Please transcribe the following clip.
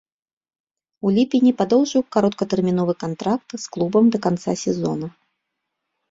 У ліпені падоўжыў кароткатэрміновы кантракт з клубам да канца сезона.